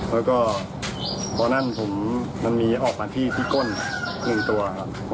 แล้วก็ตอนนั้นผมมันมีออกมาที่ก้น๑ตัวครับ